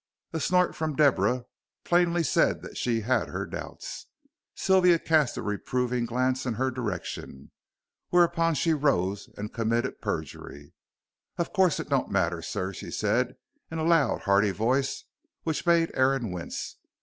A snort from Deborah plainly said that she had her doubts. Sylvia cast a reproving glance in her direction, whereupon she rose and committed perjury. "Of course it don't matter, sir," she said in a loud, hearty voice which made Aaron wince.